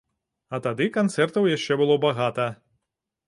А тады канцэртаў яшчэ было багата!